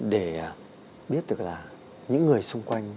để biết được là những người xung quanh